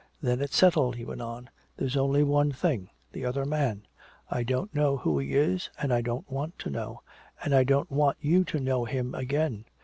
"Then it's settled," he went on. "There's only one thing the other man. I don't know who he is and I don't want to know. And I don't want you to know him again.